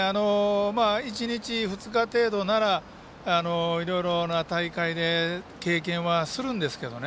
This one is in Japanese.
１日、２日程度ならいろいろな大会で経験はするんですけど。